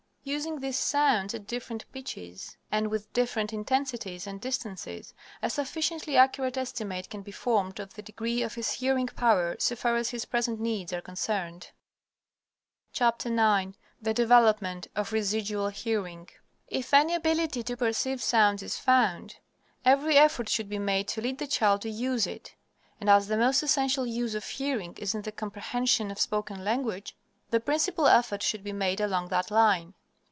Using these sounds at different pitches, and with different intensities and distances, a sufficiently accurate estimate can be formed of the degree of his hearing power so far as his present needs are concerned. IX THE DEVELOPMENT OF RESIDUAL HEARING If any ability to perceive sounds is found, every effort should be made to lead the child to use it, and as the most essential use of hearing is in the comprehension of spoken language, the principal effort should be made along that line.